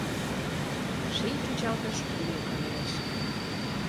Ший чӱчалтыш ӱлыкӧ велеш.